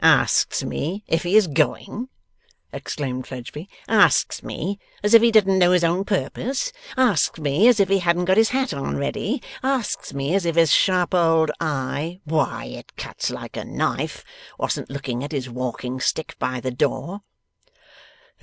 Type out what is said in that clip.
'Asks me if he is going!' exclaimed Fledgeby. 'Asks me, as if he didn't know his own purpose! Asks me, as if he hadn't got his hat on ready! Asks me, as if his sharp old eye why, it cuts like a knife wasn't looking at his walking stick by the door!